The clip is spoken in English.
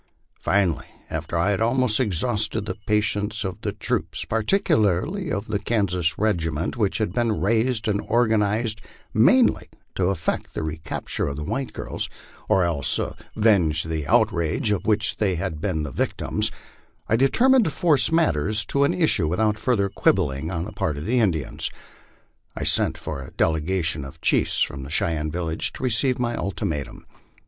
Finally, after I had almost exhausted the patience of the troops, particularly of the Kansas regiment which had been raised and organized mainly to effect the recapture of thewhite girls, or else avenge the outrage of which they had been the victims, I determined to force matters to an issue without further quibbling on the part of the Indians. I sent for a delegation of chiefs from the Cheyenne village to receive my ultimatum.